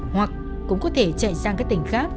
hoặc cũng có thể chạy sang các tỉnh khác